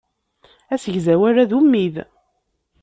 Asegzawal-a d ummid.